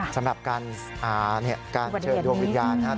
สำหรับการเชิญดวงวิทยาลัย